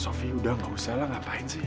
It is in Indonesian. sofi udah gak usah lah ngapain sih